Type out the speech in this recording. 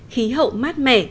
khí hậu mát mẻ